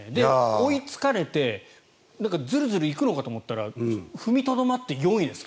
追いつかれてずるずる行くのかと思ったら踏みとどまって４位ですよ。